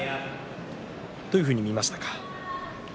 どういうふうに見ましたか？